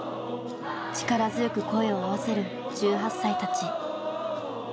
力強く声を合わせる１８歳たち。